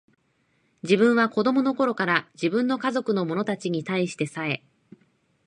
自分は子供の頃から、自分の家族の者たちに対してさえ、